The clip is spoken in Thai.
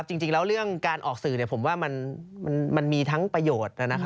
จริงแล้วเรื่องการออกสื่อผมว่ามันมีทั้งประโยชน์